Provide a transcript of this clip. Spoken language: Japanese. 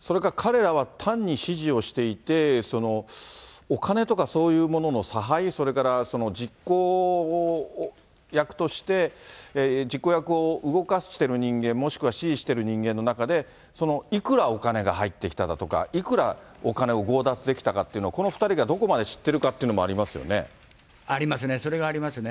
それか、彼らは単に指示をしていて、お金とか、そういうものの差配、それから実行役として、実行役を動かしてる人間、もしくは指示してる人間の中でいくらお金が入ってきただとか、いくらお金を強奪できたかっていうのを、この２人がどこまで知ってありますね、それはありますね。